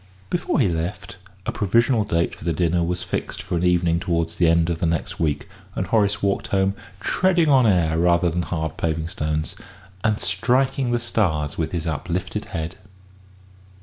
Before he left, a provisional date for the dinner was fixed for an evening towards the end of the next week, and Horace walked home, treading on air rather than hard paving stones, and "striking the stars with his uplifted head."